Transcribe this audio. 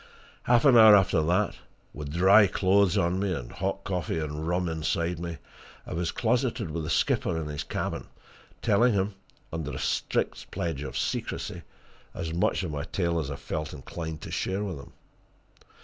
Half an hour after that, with dry clothes on me, and hot coffee and rum inside me, I was closeted with the skipper in his cabin, telling him, under a strict pledge of secrecy, as much of my tale as I felt inclined to share with him.